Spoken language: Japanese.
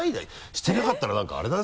してなかったら何かあれだよ？